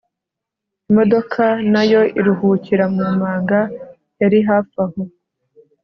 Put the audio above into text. imodoka nayo iruhukira mumanga yari hafi aho